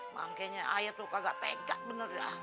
makanya ayah tuh kagak tegak bener dah